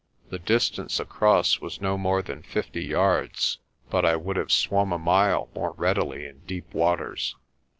The dis tance across was no more than fifty yards but I would have swum a mile more readily in deep waters.